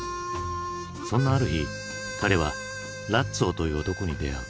そんなある日彼はラッツォという男に出会う。